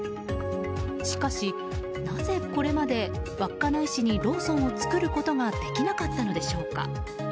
しかしなぜ、これまで稚内市にローソンを作ることができなかったのでしょうか。